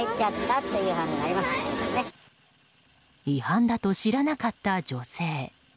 違反だと知らなかった女性。